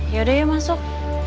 yaudah ya masuk